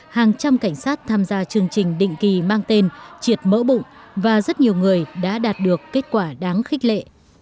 hàng trăm cảnh sát tham gia chương trình định kỳ mang tên triệt mỡ bụng và rất nhiều người đã đạt được kết quả đáng khích lệ